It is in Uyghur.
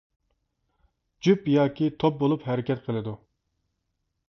جۈپ ياكى توپ بولۇپ ھەرىكەت قىلىدۇ.